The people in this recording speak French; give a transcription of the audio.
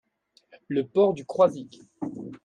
le port du Croizic.